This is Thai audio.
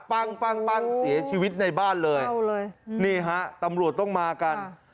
ปั้งปั้งเสียชีวิตในบ้านเลยนี่ฮะตำรวจต้องมากัน